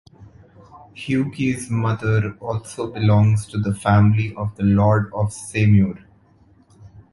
Hugues’ mother also belongs to the family of the lords of Semur.